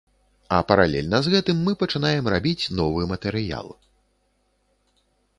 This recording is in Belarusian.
А паралельна з гэтым мы пачынаем рабіць новы матэрыял.